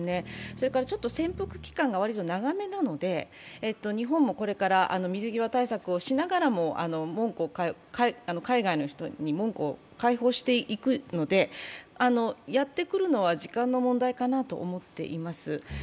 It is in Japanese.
それから潜伏期間がわりと長めなので日本もこれから水際対策をしながらも、海外の人に門戸を開放していくので、やってくるのは時間の問題かなと思っています。